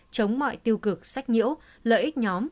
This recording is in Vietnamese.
chống mọi tiêu cực sách nhiễu lợi ích nhóm